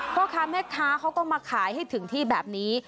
พ่อค้าแม่ค้าเขาก็มาขายให้ถึงที่แบบนี้